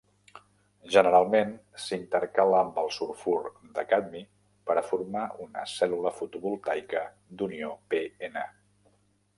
Generalment s'intercala amb sulfur de cadmi per a formar una cèl·lula fotovoltaica d'unió pn.